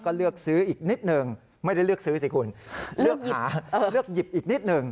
ก็เลือกซื้ออีกนิดหนึ่งไม่ได้เลือกซื้อสิคุณเลือกหาเลือกหยิบอีกนิดหนึ่ง